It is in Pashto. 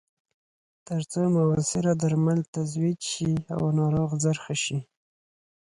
ترڅو موثره درمل تجویز شي او ناروغ ژر ښه شي.